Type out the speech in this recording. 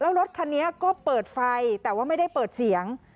แล้วรถคันนี้ก็เปิดไฟแต่ว่าไม่ได้เปิดเสียง